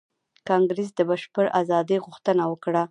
کانګریس د بشپړې ازادۍ غوښتنه وکړه.